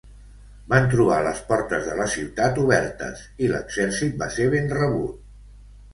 Van trobar les portes de la ciutat obertes, i l'exèrcit va ser ben rebut.